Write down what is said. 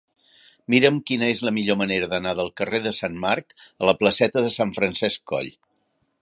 Mira'm quina és la millor manera d'anar del carrer de Sant Marc a la placeta de Sant Francesc Coll.